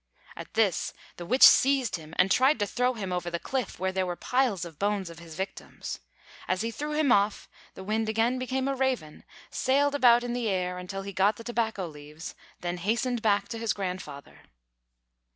At this the Witch seized him, and tried to throw him over the cliff where there were piles of bones of his victims. As he threw him off, the Wind again became a Raven, sailed about in the air, until he got the tobacco leaves, then hastened back to his grandfather.